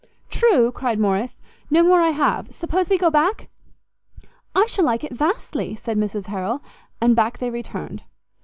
"True," cried Morrice, "no more I have; suppose we go back?" "I shall like it vastly," said Mrs Harrel; and back they returned.